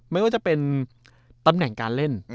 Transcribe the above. ไม่ว่าจะเป็นตำแหน่งการเล่น